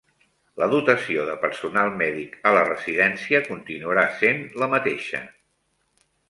La dotació de personal mèdic a la residència continuarà sent la mateixa